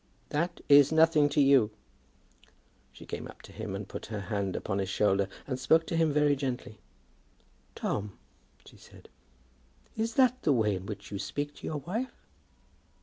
"That is nothing to you." She came up to him and put her hand upon his shoulder, and spoke to him very gently. "Tom," she said, "is that the way in which you speak to your wife?"